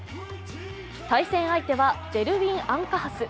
対戦相手はジェルウィン・アンカハス。